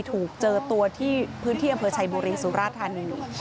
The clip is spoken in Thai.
ถูกเจอตัวที่พื้นที่อำเภอชัยบุรีสุราธานี